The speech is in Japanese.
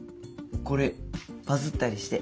これバズったりして。